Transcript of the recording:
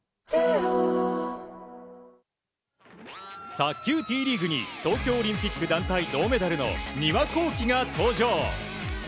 卓球Ｔリーグに東京オリンピック団体銅メダルの丹羽孝希が登場。